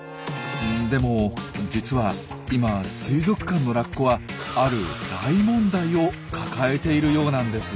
でも実は今水族館のラッコはある大問題を抱えているようなんです。